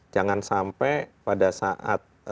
jangan sampai pada saat